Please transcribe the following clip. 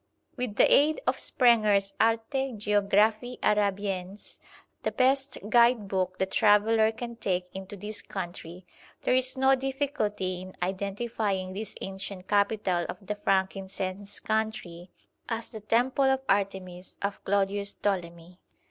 With the aid of Sprenger's 'Alte Geographie Arabiens,' the best guide book the traveller can take into this country, there is no difficulty in identifying this ancient capital of the frankincense country as the Manteion Artemidos of Claudius Ptolemy.